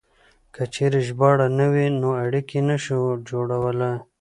که چېرې ژباړه نه وي نو اړيکې نه شو جوړولای.